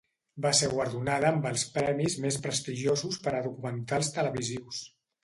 Va ser guardonada amb els premis més prestigiosos per a documentals televisius.